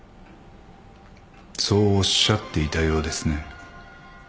そうおっしゃっていたようですね。